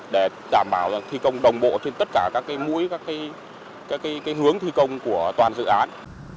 để đảm bảo thi công đồng bộ trên tất cả các mũi các hướng thi công của toàn dự án